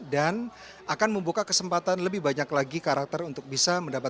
dan akan membuka kesempatan lebih banyak lagi karakter untuk bisa mendapatkan penjelasan